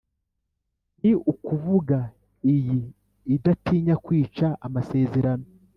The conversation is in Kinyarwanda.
ni ukuvuga iyi idatinya kwica amasezerano,